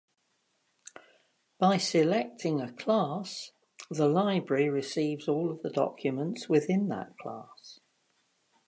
By selecting a class, the library receives all of the documents within that class.